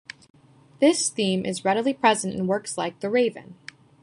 This theme is readily present in works like "The Raven".